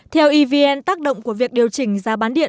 theo evn tác động của việc điều chỉnh giá bán điện